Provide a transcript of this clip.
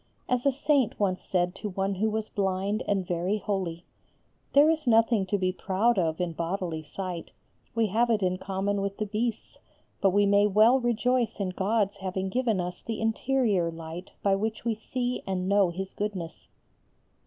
As a saint once said to one who was blind and very holy: "There is nothing to be proud of in bodily sight; we have it in common with the beasts; but we may well rejoice in God's having given us the interior light by which we see and know His goodness."